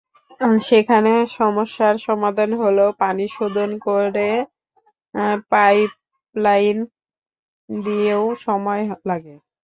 সেখানে সমস্যার সমাধান হলেও পানি শোধন করে পাইপলাইনে দিতেও সময় লাগে।